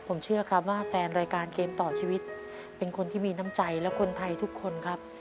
ผมเชื่อครับว่าแฟนรายการเกมต่อชีวิตเป็นคนที่มีน้ำใจและคนไทยทุกคนครับ